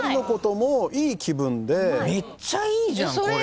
めっちゃいいじゃんこれ。